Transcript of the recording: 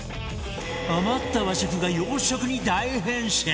余った和食が洋食に大変身！